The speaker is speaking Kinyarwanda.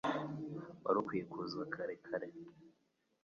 Wari ukwiye kuza kare kare.